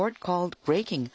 ブレイキンです。